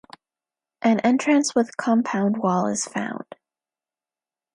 An entrance with compound wall is found.